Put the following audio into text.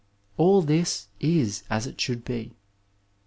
AH this is as it should be.